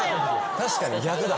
確かに逆だ。